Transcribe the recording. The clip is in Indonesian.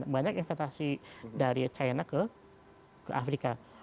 banyak investasi dari china ke afrika